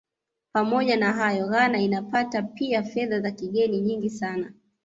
Pamoja na hayo Ghana inapata pia Fedha za kigeni nyingi sana